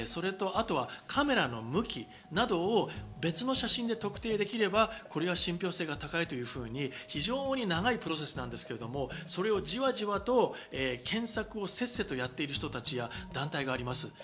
あとはカメラの向きなどを別の写真で特定できれば、これは信ぴょう性が高いというふうに、非常に長いプロセスなんですけど、それをじわじわと検索をせっせとやっている人たちや団体があります。